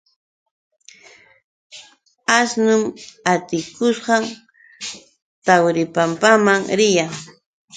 Asnun atikushqam Tawripampaman riyan.